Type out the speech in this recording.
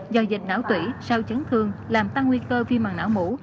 do dịch não tủy sau chấn thương làm tăng nguy cơ vi mạng não mũ